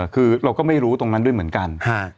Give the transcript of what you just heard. คือเราก็ไม่รู้ตรงนั้นด้วยเหมือนกัน